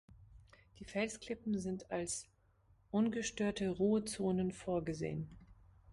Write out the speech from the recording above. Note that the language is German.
Die Felsklippen sind als ungestörte Ruhezonen vorgesehen.